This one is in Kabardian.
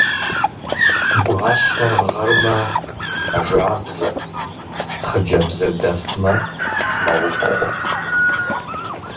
Гуащэр гъэрмэ, мэжабзэ, хъыджэбзыр дэсмэ, мэутхъуэ.